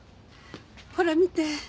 ほら見て。